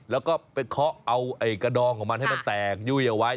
แล้วก็ไปเคาะเอากระดองของมันให้มันแตกยุ่ยเอาไว้